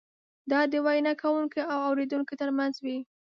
دا د وینا کوونکي او اورېدونکي ترمنځ وي.